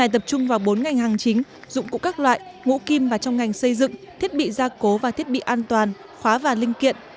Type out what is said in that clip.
tập trung vào bốn ngành hàng chính dụng cụ các loại ngũ kim và trong ngành xây dựng thiết bị gia cố và thiết bị an toàn khóa và linh kiện